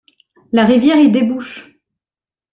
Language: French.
La rivière y débouche.